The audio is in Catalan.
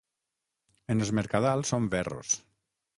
En Es Mercadal són verros.